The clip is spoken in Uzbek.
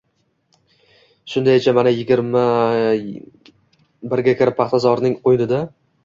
Shundayicha mana yigirma birga kiribdi, paxtazorning qoʼynida!